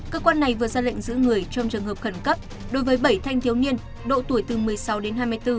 cơ quan này vừa ra lệnh giữ người trong trường hợp khẩn cấp đối với bảy thanh thiếu niên độ tuổi từ một mươi sáu đến hai mươi bốn